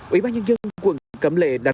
ủy ban nhân dân quận cấm lệ đặt